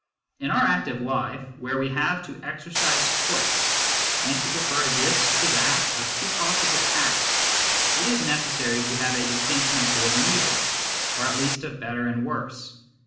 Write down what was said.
In our active life, where we have to exercise choice, and to prefer this to that of two possible acts, it is necessary to have a distinction of good and evil, or at least of better and worse.